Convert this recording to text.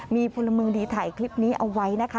มีพลเมืองดีถ่ายคลิปนี้เอาไว้นะคะ